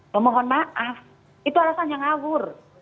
memohon maaf itu alasan yang ngawur